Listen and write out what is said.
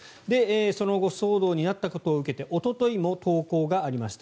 その後騒動になったことを受けておとといも投稿がありました。